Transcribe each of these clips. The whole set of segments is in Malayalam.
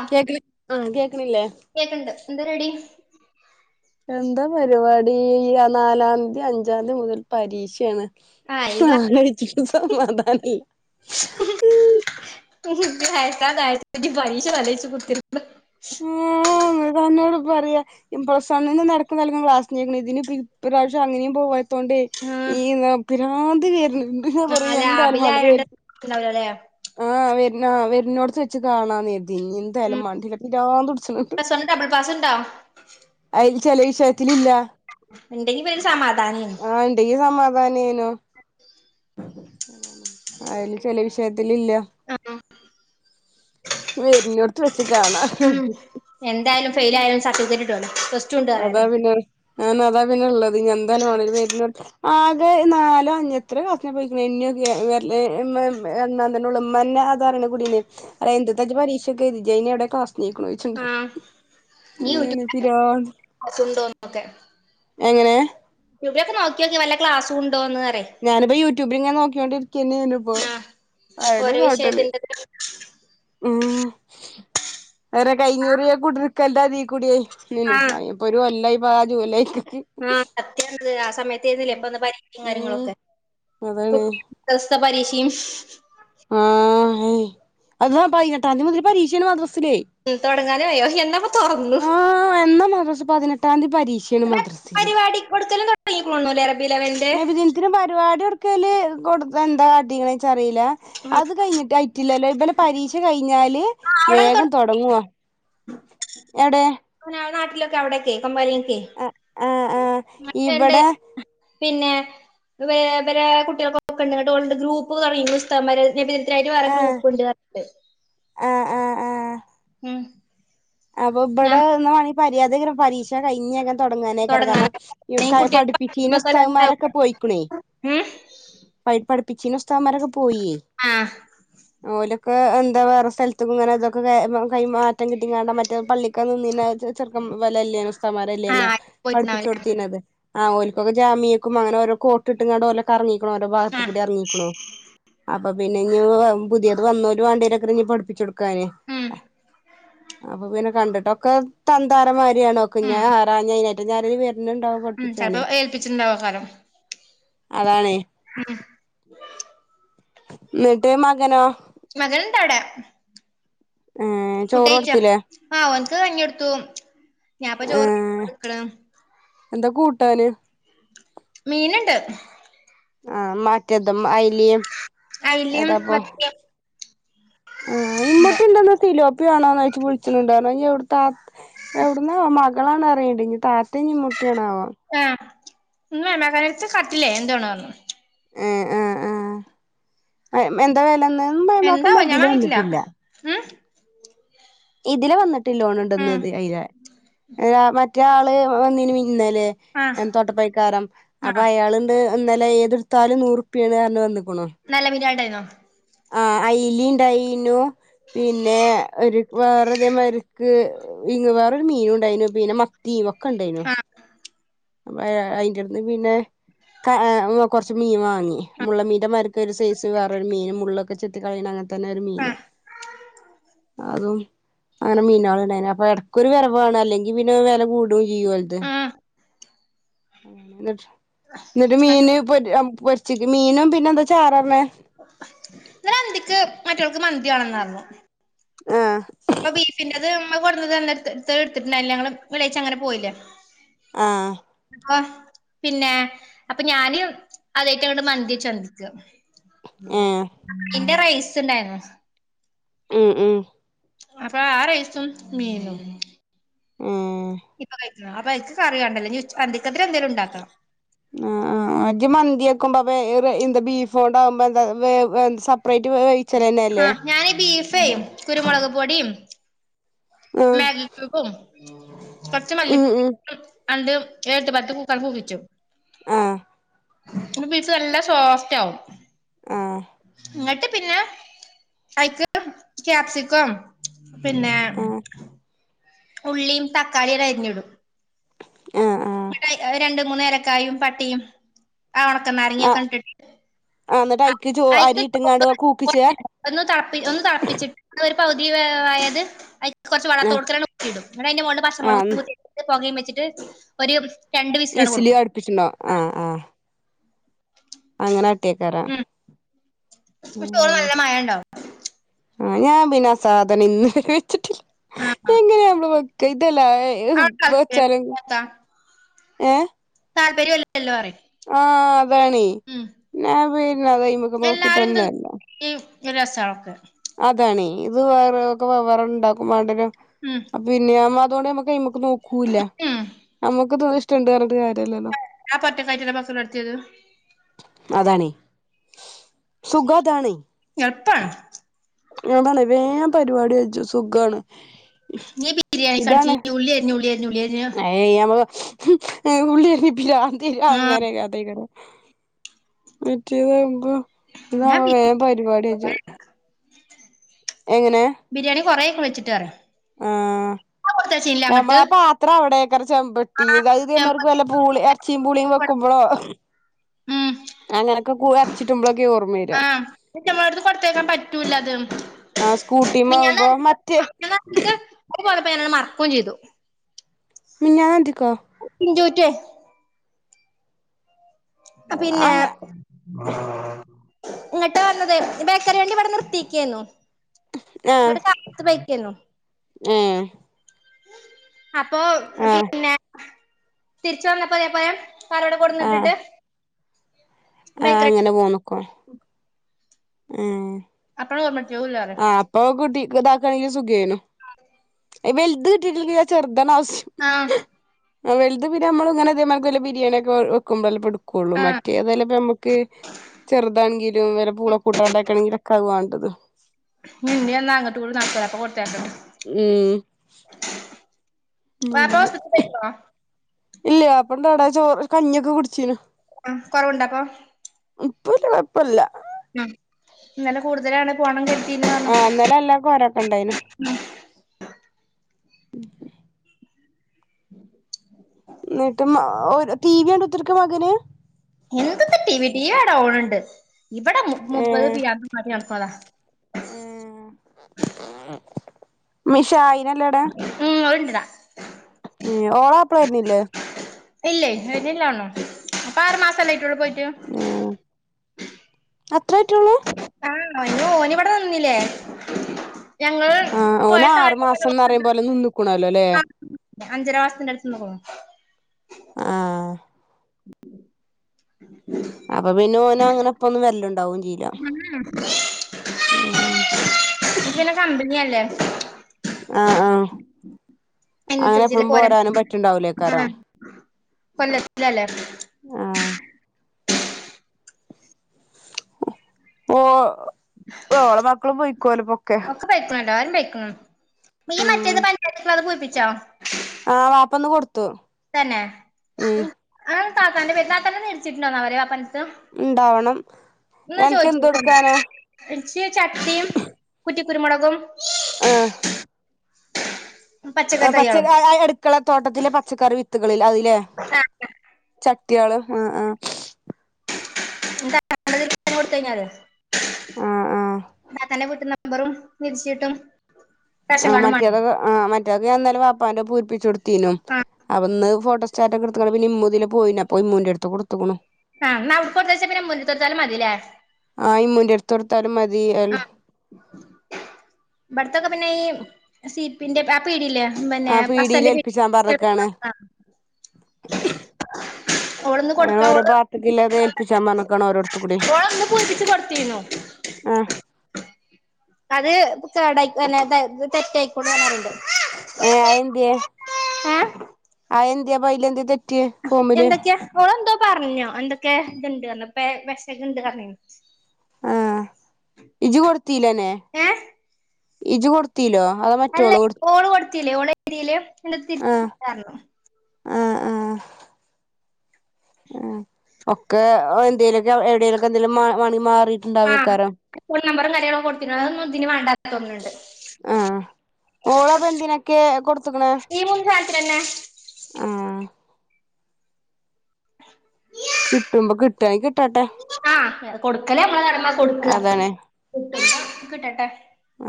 ആഹ് കേക്കണ ആഹ! കേക്കണില്ലേ? കേക്ക്ണ്ട് എന്താ പരിപാടി എന്താ പരിപാടി? ആ നാലാം തീയതി അഞ്ചാം തീയതി മുതൽ പരീക്ഷയാണ്. ആഹ് ഇവ ആലോചിച്ചിട്ടു സമാധാനില്ല ഉ ഉഖച്ചച്ച ബൈഷ വലച്ചു പുത്തി [unintelligible] ഹും! എന്നോട് പറയാ പ്ലസ് വണ്ണിൽന്ന് നടക്ക നൽകും ക്ലാസ്സിന് ഇതിന് ഇ ഇപ്രാവശ്യം അങ്ങനെയും പോ ഈ [unintelligible] ാതി വേരന [inaudible] ആല്ലേ റാബില ആയോണ്ട്ല്ലേ ആ ആ വരുന്നോട്ത്ത് വച്ച് കാണാന്നേ ന്ന ഉം എന്തായാലും മണ്ടിലട്ടി ര തുടിച്ചട്ടണ്ട് പ്ലസ് വൺ ഡബിൾ പാസ് ഉണ്ടോ അ [inaudible] ചില വിഷയത്തിലില്ല. ഉണ്ടെങ്കിൽ വല്ല്യ സമാധാനം. ആഹ! ഇണ്ടെങ്കി സമാ- വാനേനോ. അതില് ചിലം ആഹ് [inaudible] കാണാ ഉം എന്തായാലും ഫെയിൽ ആയാലും സർട്ടിഫിക്കറ്റ് - അതാ പിന്നെ ആ അതാ പിന്നെള്ളത് എന്തായാലും വേണ പേ നാലോ അഞ്ഞ എത്ര ക്ലാസിനെ പോയിണാം ത ഉമ്മന്നെ അതറ കുടീേ അ എന് പരീക്ഷയൊക്കെജനടെ ക്ലാസ് [unintelligible] നീക്കണോിച്ചുണ്ട് ആഹ് [inaudible] ക്ലാസ്സുണ്ടോന്നൊക്കെ എങ്ങനെ എവിടെ നോക്കിയോക്കി വല്ല ക്ലാസും ഉണ്ട് ഞാനിപ്പോ യൂട്യൂബിൽ ഇങ്ങനെ നോക്കോണ്ടിരിക്കന്നെ ഇപ്പൊ ആഹ് അയിനെ ഓരോ കാട്ടല് വിഷയത്തിന്റെത് ഉം വേറെ കഴഞ്ഞൂറ് രൂപ കൊടുക്കല്ല [inaudible] പാത കുടിയ [inaudible] നിനുപ്പൊ ഒരു എല്ല [inaudible] ാജോലേക്ക [inaudible] ആഹ സത്യ ആ സമയത്ത്ന്നില്ല ഇപ്പ പരീക്ഷയും ഉം കാര്യങ്ങളൊക്കെ അതാണ് കുട്ടിക സ പരീശയും ആഹ! ഉം അള്ളോഹ് പയിനട്ടാതി മുതൽ പരീഷയാണ് മദ്ര ഉം തൊടങ്ങാനായോ എന്നപ്പോ തോറന്നു ആഹ് എന്നാ മദ്രസ് പതിനെട്ടാം തീയതി പരീക്ഷയാണ് അ മദ്രസില് പരിപാടി കൊടുക്കലും തൊടങ്ങിക്കുണുല്ലേ അറബില വെ നബിദിനത്തിന് പരിപാടി എടുക്കാല് ഇത് ഇപ്പൊ എന്താ കാട്ടിക്കണേ എനീച്ചറിയി ആഹ് അത് കഴിഞ്ഞിട്ടി ഐറ്റിലല്ലോ ഇന്നലെ പരീക്ഷ കഴിഞ്ഞ് കഴിഞ്ഞാല് അവിടൊക്കെ വേഗം തൊട തൊടങ്ങുവ എവ്ടെ നാട്ടിലൊക്കെ അവിടൊക്കെ കമ്പലി ആ ആഹ് ആഹ് ണ്ട് ഇവിടെ പിന്നെ വേ വേരെ കുട്ടികൾകൊക്കെ ഉണ്ടുട്ടോ ഗ്രൂപ്പ് കളി ഉസ്തന്മാരെ നബി ഇത്രായിട്ട് വേറെ ആഹ് ഗ്രൂപ്പ്‌ണ്ട് ഞ്ഞിട്ട് ആ ഉം അപ്പൊ ഞാൻ ഇവിടെന്നാ മര്യാതകര പരീക്ഷ കഴിഞ്ഞ തൊടങ്ങാനൊക്കെ തുടങ്ങാൻ കാരണം പഠിപ്പിച്ചീന ഉസ്താദ് കുട്ടികളെ മാരൊക്കെ പോയിക്കണേ ഉം പഠിപ്പിച്ചീ ഉസ്തകന്മാരൊക്കെ പോയിേ ആഹ് ഓല ക്ക് എന്താ വേറെ സ്ഥലത്തും ഇങ്ങനെ അതൊക്കെ കൈ കൈമാ അറ്റം കിട്ടിങ്ങാണ്ട് മ പള്ളിക്കാ നിന്നേനെ ചെറുക്ക വലല്ലേ തോ മരല്ലാര്ന്നൊ ആഹ് പഠിപ്പിച്ച് പോയിട്ടുണ്ടാവുംല്ലേ കൊടുത്തീത് ആ ഓൽക്കൊക്കെ ജാമ്യ ക്കും അങ്ങന ഓര കോട്ടിട്ടങ്ങാട ഓല കറങ്ങി ഓരോ ഭാഗത്ത് ആഹ് കൂടി എറങ്ങിക്കുണോ അപ്പൊ പിന്നെ ഞ്ഞു. പുതിയത് വന്നോരു വാണ്ടിയോരൊക്കീ പഠപ്പിച്ചിടും ക്കാന് ഉം ഇങ്ങന കണ്ടിട്ടൊക്കെ തന്താരമാരിയാണോക്ക ഞാ ഉം ഹാരാഞ്ഞേ നെ എന്നാല് വെ പിന്നുണ്ടാവും ഉം ചെലപ്പോ പൊടിപ്പിച്ചാണ് ഏൽപ്പിച്ചിട്ടുണ്ടാവക്കാരം അതാണേ ഉം എന്നിട്ട് മകനോ മകനുണ്ടവിടെ ഏ ചോറ് ഫുഡ്ഴിച്ച കൊടുത്തില്ലേ ആ ഓൻക്ക് കഞ്ഞി കൊടുത്തു ഞാൻപ്പ ഏ ചോറ്കോടുക്കണ് എന്താ കൂട്ടാന് മീന്ണ്ട് ആഹ് മാറ്റേത് അയില് അയിലയും ഏതാപ്പൊ മത്തിയും ആ ഇമ്മുട്ടി ഉണ്ട് ഇന്ന് തിലോ ആണോന്ന് ചോയിച്ച് വിളിച്ച്ണ്ണ്ട് ഇനിയുടുത്തപ്പോ എവിടനാവോ മളാണ് പറയിണ്ട് ഞ് താത്തെ ഞ് ഉമ്മു റ്റണാ വോ ഉമ്മാ മയമകന്റട്ത് കട്ടില്ലേ എന്തണന്ന് പറഞ്ഞു ആ ആ ആ എന്താ വേലന്ന് എന്താവോ ഞാൻ വാങ്ങിട്ടില്ല ഉം ഇതില് വന്നി ലോൺ ഉണ്ട ഉം അയിലെ അല്ല മ മറ്റേ ആള് വന്നീനി മിനി ഇന്നലെ ആഹ് തോട്ടപ്പടിക്കാരം അപ്പൊ ആഹ് അയാളണ്ട് നന്നല ഏത് ഇട്ത്താലും നൂറുപ്പാണ് ആ ണ് വന്ന നല്ല മിനണ്ടായിരുന്നോ [inaudible] ആ അയ്ല ഇണ്ടായിന്നു പിന്നെ ഒരു വേറെ ഇതേ മാതിരിക്ക് ഇ വേറൊരു മീന ഉണ്ടായിന് പിന്നെ മത്തി ഓ ഒക്ക ഇണ്ടായിനു ആഹ് അ അയിന്റെടുന്ന് പിന്നെ ക്ക കൊറച്ച് മീൻവാ ങി മുള്ളൻ മീനിന്റെ മതി ഒക്ക ഒരു സൈസ് വേറൊ മീൻ മുള്ളൊക്കെത്തി ചെത്തി കളയ അങ്ങ ത്തനെ ഒരു മീന് ആഹ് അതും അങ്ങനെ മീനാൾ ഉണ്ടായിനെ അപ്പൊ ഇടക്കൊ ഒരു വേരവാണ് അല്ലെങ്കിൽ പിന്നെ വില കൂടുക ചെയ്യും ഓലത് ആഹ് ഏ ഇന്നട്ട് എന്നിട്ട് മീന് ഇന്നലെ [unintelligible] പൊരിച്ചക്ക മീനും പിന്നെ എന്താ ചാറ് പറഞ്ഞേ ന്ന് അന്തിക്ക് മറ്റോൾക്ക് മന്തി വാണെന്ന് പറഞ്ഞു ആ അപ്പൊ ബീഫിന്റെ ഉമ്മ കൊടുത് എടുത്തിട്ടുണ്ടായില്ല ഞങ്ങള് വെള്ളിയാഴ്ച അങ്ങനെ പോയില്ലേ ആ അപ്പോ പിന്നെ അപ്പൊ ഞാന് അതെ യിറ്റ് അങ്ങോട്ട് മന്തി വെച്ച് അന്തിക്ക് ആ ഏഹ് പിന്നെ റൈസ് ഉണ്ടായിരുന്നു ഉം ഉം അപ്പൊ ആ റൈസും മീനും ഏഹ് ഇപ്പായി [unintelligible] ആ അപ്പ എനിക്ക് കറിയാണ്ടല്ലേ ഇഞ്ഞ് [unintelligible] ആ ആ അ ‌ഇജ് മന്തി വെക്കുമ്പം വേറെ എന്താ ബീഫോണ്ടാവുമ്പോ എന്താ വേ എ സെപ്പറേറ്റ് വേവായി ആഹ് ഞാനി ബീഫ് [unintelligible] കുരുമുളക് പൊടിയും ആഹ് മാഗിക്യുബും കൊറച്ച് മല്ലിപൊടി ഉം ഉം [unintelligible] അണ്ട് ഏട്ട് പത്ത് കൂകാ കൂകിച്ചു ആഹ് പീസ് നല്ല സോഫറ്റ് ആവും ആഹ് ഇങ്ങട്ട് പിന്നെ ഐക്ക് ക്യാപ്സിക്കം പിന്നെ ആഹ് ഉള്ളിയും തക്കാളി അരിഞ്ഞിടും ആഹ് ആഹ് അത് രണ്ടും മൂന്നേലക്കായും പട്ടയും ആ ഒണക്ക നാരങ്ങിയൊക്കെ ആഹ് അണ് ആഹ് എന്നിട്ട് അയിക്ക് ചോ അരി ഇട്ട് ഇട്ട്ങ്ങാണ്ട് കൂക്കിച്ചേ [unintelligible] ഒന്ന് തളപ്പിച്ചു ഒന്ന് തളപ്പിച്ച് [unintelligible] പൗതി വേവയത് അ കൊർച്ച് ആഹ് വളത്തോട്ക്കനണ് മുക്കിടും ഇന്നിട്ടയ്ന്റെമോൾല് ആഹ് പച്ചമൊളകു കുത്തിട്ടിട്ട് പോകിം വെ [unintelligible] ഒരു വിസിലി കൊടുക്കും അടുപ്പിച്ചിണോ ആ ആ അങ്ങനെ അട്ടിയക്കാരം ഉം ചോറ് നല്ല മായംണ്ടാവും ആ ഞാൻ പിന്നെ സാധനം ഇന്ന് വരെ വെച്ചിട്ടില്ല ആ അവിടെ [unintelligible] വെച്ചാലും താല്പര്യം ഏഹ് താല്പര്യല്ലല്ലോറിം ആഹ് ആണേയ് ഞാൻ വീ പി അത ഇ [unintelligible] മക്ക് എല്ലാരും തിന്ന് നോക്കിട്ടന്നല്ലോ ഈ ഒരു രസവാ അതൊക്കെ അതാണീ ഇത് വേറെക്കെ വെവ്വേറെണ്ടാക്കും വാണ്ട്യെരും ഉം അ പിന്നെമ്മ [unintelligible] നോക്കൂല ഉം നമുക്ക് ണ്ട്ം [unintelligible] ആ പട്ടക്കായി ചന മക്കൽ അടുത്തിത് അതാണി എപ്പ താണ് വേഗം പരിപാടി സുഖമാണ് നീ ബിരിയാണി കടിച്ച ഉള്ളി അരി മഴ പെയ്യാൻ പോവ ഉള്ളി അരിഞ്ഞിട്ട ഇല്ല ആ അങ്ങനെയക്ക അതേയക്കണ് വിറ്റിയത് ഉം ഞാൻ ബിരിയാണി ഇതാവുവേഗം പരിപാടി അജോ ബിരിയാണി കൊറെ വെച്ചിട്ട് വരാ ആ നമ്മളാ പാത്രം അവിടെക്കറ ചമ്പെട്ടി ഇതാ ഇതേമാർക്ക്‌ വല്ല പൂളി എറച്ചിയും പൂളിയും വെക്കുമ്പോളോ അങ്ങനൊക്കെ കുവാ അരച്ചിറ്റ് ഇമ്പള് ആഹ് ചമ്മള് കൊടുത്തേക്കാൻ പറ്റൂലാത് ആ മെഞാന്ന് സ്കൂട്ടിമാവുമ്പോ മറ്റേ [unintelligible] പോയപ്പോ ഞാന് മറക്കുവും ചെയ്തു ഞാൻ അ ഒ പിൻജോന് റ്റെ പിന്നെ അങ്ങ ഇങ്ങോട്ട് വന്നത് ബേക്കറി വണ്ടി ഇവിടെ നിർത്തിയേക്കാന്നു ആഹ് എടത്ത് അപ്പത്ത് പൊയ്ക്കണു ഏഹ് അപ്പൊ ആഹ് പിന്നെ തിരിച്ച് വന്നപ്പോയാ പോയേ കാറ് ഇവിടെ കൊണ്ടുവന്നിട്ടിട്ട് ആ അങ്ങനെ പോന്നു [unintelligible] ആ ക്വത്ഒറന്നെ ആ അപ്പോ കുട്ടി കിതാക്കണെങ്കി സുഖേനു [inaudible] എ വെൽത് കിട്ടീട്ടല്ലെങ്കി ചെറുതാമ ആ ആ വൽത് പിന്നമ്മള് ഇങ്ങനെ ഇതേമാർ ക്ക്‌ വല്ല ബിരിയാണിയൊക്കെ വെയ് വെക്കും ബല്ലപ്പോഴും. കുള്ളും ആ മറ്റേതേലപ്പ മ്മക്ക് ചെറുതാണെങ്കിലും വേറെ പൂളോ കു ട്ടാണ്ടെക്കാണെങ്കില് ക്കതുവ തദമ് നി ഇനീ എന്നാങ്ങട്ടൂ പോ [unintelligible] മ് വാപ്പോ സിറ്റ ബെയിക്ക്വ. ഇല്ല്യാ അപ്പണ്ടവിടെ ചോറ് കഞ്ഞിയൊക്കെ കുടിച്ചീന്. ആ കൊറവുണ്ടപ്പൊ? ഇപ്പ ഒരു കൊഴപ്പോല്ല ഉം ഇന്നലെ കൂടുതലാണ് പോകണം ആ ഇന്നലെ എല്ലർക്കും ഒരോക്കെണ്ടായിന് ഉം എന്നിട്ട് ടി വി കണ്ടു കുത്തീരിക്ക മകന് എന്തുട്ട് ടി വി, ടി വി അവിടെ ഓടുന്നുണ്ട് ഇവിടെ മു മുപ്പത് പിരാന്ത് താ മിഷായി ഉം ഉരുണ്ടിതാ ശ് ഉം ഓള അപ്പളായിരുന്നില്ലേ? ഇല്ലേ വരുന്നില്ല തോന്നുന്നു അപ്പൊ ആറു മാസല്ലേ ആയിട്ടുള്ളു പോയിട്ടു? അത്രായിട്ടുള്ളൂ? ആ ഇന്നോനിവിടെ നിന്നില്ലേ. ഞങ്ങള് ആ പോയ ഓനാറു മാസം സമയത്ത് ഫറയുമ്പോലെ നിന്നിക്കണല്ലോ അല്ലേ? അഞ്ചരമാസത്തിന്റടുത്ത്ന്ന് നിന്നുക്കുണു ആ അപ്പൊ പിന്നോനങ്ങനെപ്പൊന്നും വരലോണ്ടാ ണ്ടാവ്വോ ഉം പിന്നെ കമ്പനിയല്ലേ? ആ ആ അയിനനുസരിച്ചല്ലേ പോര പറ്റുണ്ടാവൂലേക്കാരം ഉം കൊല്ലത്തിലല്ലേ? ആഹ് ഓ ഓളെ മക്കളും പോയിക്കോല് ഇപ്പൊക്കെ ഒക്കെ പേയ്ക്ക്ണു എല്ലാരും പൈക്ണ് നീ മറ്റേത് പഞ്ചായത്ത്‌ക്ക്ള്ളത് പൂര് [unintelligible] ആ വാപ്പ ന്ന് കൊട് തന്നെ ആ താത്താന്റെ പേര് തല നെര്ച്ചിട്ടുണ്ടോന്നാവലെ വാപ്പൻ്റെ ഇണ്ടാവണം ന്നാ അനക്ക് എന്ത് ചോയ്ച്ചോക്കണ്ടി കൊടുക്കാനാ ച്ച് ചട്ടിം കുറ്റി കുരുമൊളകും ട് ട് ആ പച്ച കായ് അടുക്കള തോട്ടത്തിലെ പച്ചക്കറി വിത്തുകൾ ലേ അഹ് ലേ ആ ചട്ട്യാള് ആ ആ കൊടുത്തു കഴിഞ്ഞാൽ ആഹ് ആഹ് താത്താന്റെ വീട്ട്ന്ന് നമ്പറും വിരിച്ച് കിട്ടും ആ മറ്റേതൊക്കെ ആ മറ്റൊക്കെ ഞാൻ ഇന്നലെ പ്പാന്റെ പൂരിപ്പിചൊട്തു ത്തീനു ആ അപ്പന്ന് ഫോണ് [unintelligible] പിന്നെമ്മുതിലെ പോയിനു അപ്പൊ മ്മൂന്റെട്ത്ത് കൊട്ത്ത്ക്ക്ണു. ആ ന്ന അവിട്ക്ക് കൊടുത്തയച്ച [unintelligible] മതില്ലേ താലുംമ ഇയൽ തൊക്കെ പിന്നെ ഈ സിപ്പിന്റെ ആ പീട്യല്ലേ പിന്നെ ആഹ് പീടിയേല് പസന്റെ പീ ഏൽപ്പിച്ചാൻ [unintelligible] പറഞ്ഞ്ക്കാണ് [unintelligible] ഓളൊന്ന് അങ്ങനെ കൊടുക്ക ഓരോ ഭാഗത്ത്ക്ക്ള്ളത് ഏൽപ്പിച്ചാൻ പറഞ്ഞ്ക്കാണ് ഓരോട്ത്ത്ക്കൂടി ഓളൊന്ന് പൂരിപ്പിച്ച് കൊടുത്തിര്ന്നു ആഹ് അത് കേടായി പിന്നെ തെറ്റായ്കുണു ഏ അയെന്ത്യെ ഏ അയെ ന്ത്യെപ്പ യിലെന്തേ തെ എന്തൊക്കെയാ ഓളെന്തോ പർഞ്ഞു എന്തൊക്കെ ത്ണ്ട്ർന്ന് ഏ പെഷക്ണ്ട്ർഞ്ഞീനി ആ ഇജ്ജ് കൊടുത്തിലന്നെ ഏ ഇജ്ജ് കൊടുത്തീലോ അത് മറ്റോള് കൊ ത്തീലെ ഓളെ തീല് [unintelligible] ആ ആ ആ ഒക്കെ എന്തേലൊക്കെ എവിടേലൊക്കെ എന്തേലും മ മാണി ആഹ് വീട്ടുണ്ടാവെക്കാരം ഫോൺ നമ്പറും കാര്യങ്ങളും കൊടുത്തിനു അഹൊന്നും ഇതിന് വാണ്ട ആഹ് ഓളപ്പൊ എന്തിനൊക്കെ കൊടുത്ത്ക്ക്ണ് ഈ മുൻ രാത്രന്നെ ആഹ് കിട്ടുമ്പോ കിട്ടാണെങ്കി കിട്ടട്ടെ ആഹ് കൊടുക്കലേ നമ്മള കടമ്മ കൊടുക്കുക അതാണ് കൊ കിട്ടട്ടേ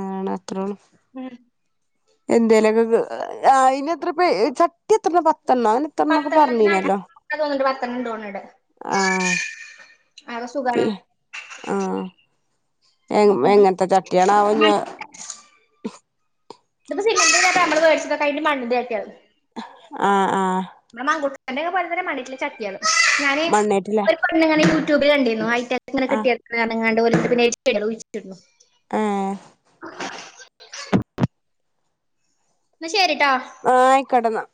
ആണ് ത്രം എന്തേലു ഒക്കെ. [unintelligible] ആഹ് അയ്ന് എത്ര [unintelligible] പേ ചപ് പ എത്രണ പത്തെണ്ണം അ [unintelligible] ന് എത്രണ്ണൊക്കെ പത്തെണ്ണത്തിന് പറഞ്ഞീനല്ലോ തോന്നുന്നുണ്ട് പത്തെണ്ണം തോന്നുന്നുണ്ട് ആഹ് അതൊക്കെ പി സുഖാണ് ആ എ എങ്ങനത്തെ ചട്ടിയണ വേഞ്ഞ് [unintelligible] ഇപ്പ സിമന് നമ്മള് [unintelligible] ച്ചക്ക കി് മണ്ണിക്ക [unintelligible] ആഹ് ആഹ്. നമളെ മങ്കുട്ക്കന്റെ ഒക്കെ പോലെ തന്നെ മണ്ണ് [unintelligible] ട്ടില ചട്ട്യേള് ഞാന് മണ്ണേറ്റില്ലേ ഒരു പെണ്ണുങ്ങള. [unintelligible] ടൂബിൽ കണ്ടീന്നു ഇങ്ങനെ ആഹ് കിട്ടിയത് ട്ക്ക്ണ് അറ്ണ് ക്കാണ്ട് ഏഹ് [unintelligible] ല [unintelligible] ന്ന ശെരിട്ട് ആഹ് ആയിക്കേട്ടന്ന.